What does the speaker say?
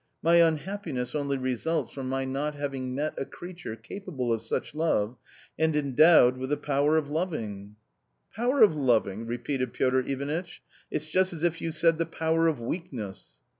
My unhappiness only results from my not having met a creature capable of such love and endowed with the power of loving." " Power of loving !" repeated Piotr Ivanitch a it's just as if you said the power of weakness."